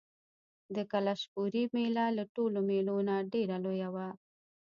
د کلشپورې مېله له ټولو مېلو نه ډېره لویه وه.